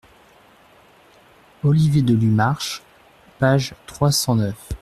Olivier de lu Marche, page trois cent neuf.